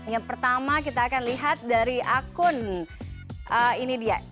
yang pertama kita akan lihat dari akun ini dia